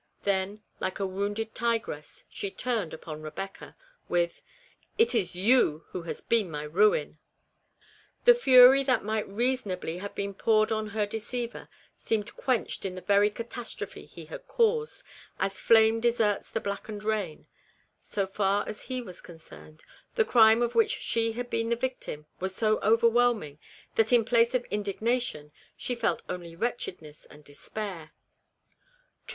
Then, like a wounded tigress, she turned upon Eebecca, with " It is you who have been my ruin." The fury that might reasonably have been poured on her deceiver seemed quenched in the very catastrophe he had caused, as flame deserts the blackened ruin ; so far as he was concerned the crime of which she had been the victim was so overwhelming that in place of indignation she felt only wretchedness and despair ; too REBECCAS REMORSE.